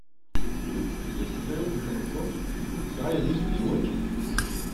Zik tella yiwet n tmeṭṭut tesɛa yelli-s tezwej.